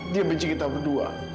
dia benci kita berdua